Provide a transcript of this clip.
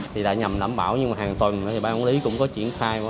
thì đã nhầm đảm bảo nhưng mà hàng tuần thì bán quản lý cũng có triển khai